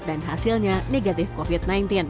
dan hasilnya negatif covid sembilan belas